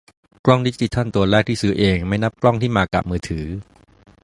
กล้องดิจิทัลตัวแรกที่ซื้อเอง ไม่นับกล้องที่มากะมือถือ